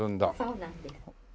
そうなんです。